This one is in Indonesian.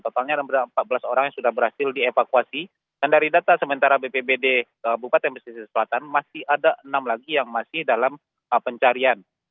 totalnya ada empat belas orang yang sudah berhasil dievakuasi dan dari data sementara bpbd kabupaten pesisir selatan masih ada enam lagi yang masih dalam pencarian